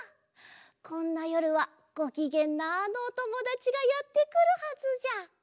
こんなよるはごきげんなあのおともだちがやってくるはずじゃ。